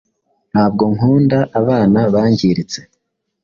Ntabwo nkunda abana bangiritse.